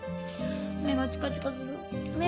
目がチカチカする。